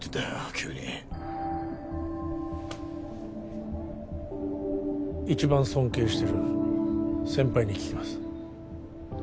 急に一番尊敬してる先輩に聞きます